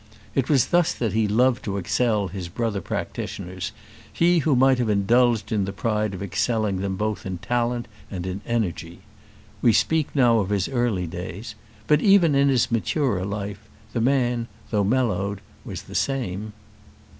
It was thus that he loved to excel his brother practitioners, he who might have indulged in the pride of excelling them both in talent and in energy! We speak now of his early days; but even in his maturer life, the man, though mellowed, was the same.